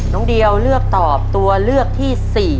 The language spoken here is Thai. น้องเดียวเลือกตอบตัวเลือกที่๔